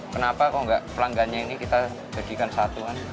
kenapa kalau nggak pelanggannya ini kita jadikan satu kan